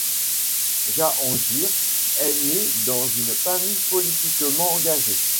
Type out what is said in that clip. Jahangir est née dans une famille politiquement engagée.